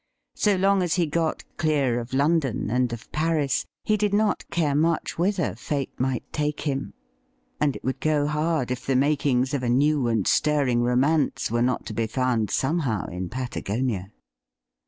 So long as he got clear of London and of Paris, he did not care much whither Fate might take him. And it would go hard if the makings of a new and stirring romance were not to be found somehow in Patagonia.